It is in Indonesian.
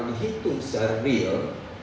kalau dihitung secara real